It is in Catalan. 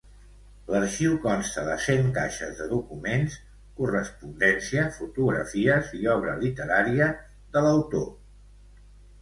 L'arxiu consta de cent caixes de documents, correspondència, fotografies i obra literària de l'autor.